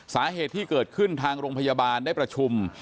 สาเหตุที่เกิดขึ้นทางโรงพยาบาลได้ประชุม